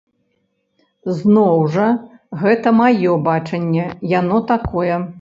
Зноў жа, гэта маё бачанне, яно такое.